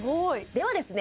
ではですね